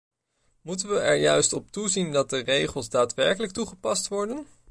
Moeten we er juist op toezien dat de regels daadwerkelijk toegepast worden?